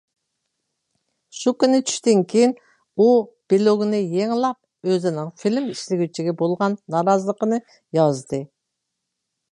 شۇ كۈنى چۈشتىن كېيىن، ئۇ بىلوگنى يېڭىلاپ ئۆزىنىڭ فىلىم ئىشلىگۈچىگە بولغان نارازىلىقىنى يازدى.